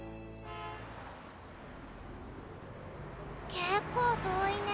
結構遠いね。